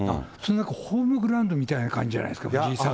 ホームグラウンドみたいな感じじゃないですか、藤井さんの。